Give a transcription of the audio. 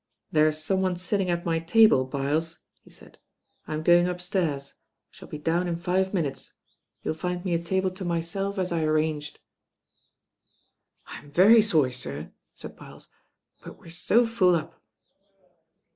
"There's someone sitting at my table, Byles," he said; "I'm going upstairs. I shall be down in five minutes. You will find me a table to myself as I arranged." "I'm very sorry, sir," said Byles, "but we're so full up."